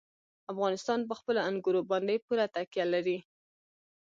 افغانستان په خپلو انګورو باندې پوره تکیه لري.